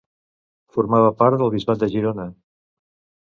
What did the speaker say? Formava part del bisbat de Girona.